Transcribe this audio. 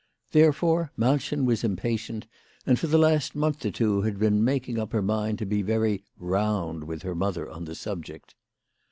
Therefore, Malchen was impatient, and for the last month or two had been making up her mind to be very " round " with her mother on the subject.